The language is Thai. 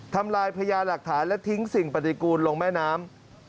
ทำลายพญาหลักฐานและทิ้งสิ่งปฏิกูลลงแม่น้ำ